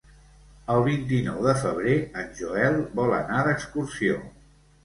El vint-i-nou de febrer en Joel vol anar d'excursió.